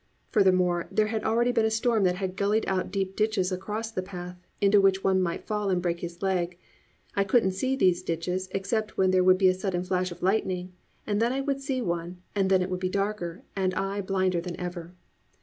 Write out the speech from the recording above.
Furthermore, there had already been a storm that had gulleyed out deep ditches across the path into which one might fall and break his leg. I couldn't see these ditches except when there would be a sudden flash of lightning, and then I would see one and then it would be darker and I blinder than ever.